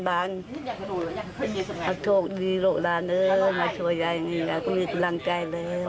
ให้โชคดีโลกหลานมาช่วยยายให้มีกำลังใจเลย